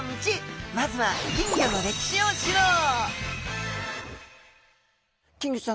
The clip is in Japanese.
まずは金魚の歴史を知ろう！